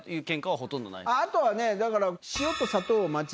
あとはねだから。